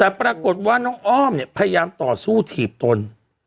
แต่ปรากฏว่าน้องอ้อมเนี่ยพยายามต่อสู้ถีบตน